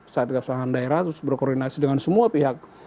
satgas lahan daerah terus berkoordinasi dengan semua pihak